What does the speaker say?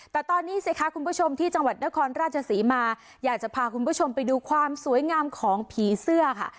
แต่ตอนนี้สิคะคุณผู้ชมที่จังหวัดนครราชศรีมาอยากจะพาคุณผู้ชมไปดูความสวยงามของผีเสื้อค่ะ